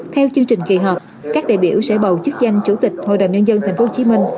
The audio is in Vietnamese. theo chương trình kỳ họp các đại biểu sẽ bầu chức danh chủ tịch hội đồng nhân dân tp hcm